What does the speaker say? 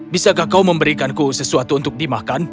bisakah kau memberikanku sesuatu untuk dimakan